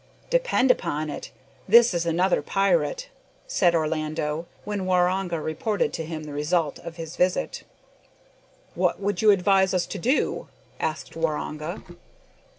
"Depend upon it, this is another pirate," said Orlando, when Waroonga reported to him the result of his visit. "What would you advise us to do?" asked Waroonga.